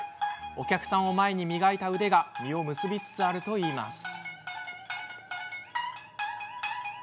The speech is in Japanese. お客さんを前に磨いた腕が実を結びつつあるといいます。